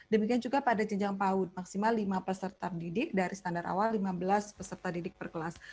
demikian juga pada jenjang paud maksimal lima peserta didik dari standar awal lima belas peserta didik per kelas